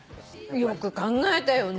よく考えたよね。